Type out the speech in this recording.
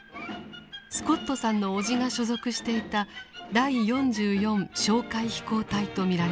スコットさんの叔父が所属していた「第４４哨戒飛行隊」と見られます。